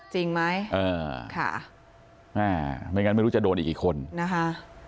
จริงไหมเออค่ะอ่าไม่งั้นไม่รู้จะโดนอีกกี่คนนะคะ